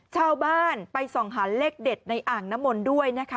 ชาวบ้านไปส่องหาเลขเด็ดในอ่างน้ำมนต์ด้วยนะคะ